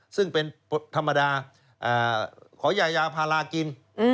ซึ่งเป็นธรรมดาขอยายาพารากิน